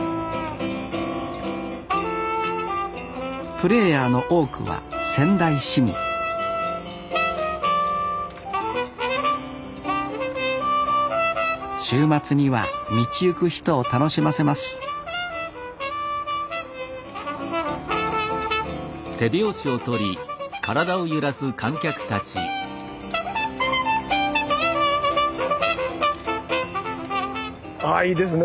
プレーヤーの多くは仙台市民週末には道行く人を楽しませますああいいですね。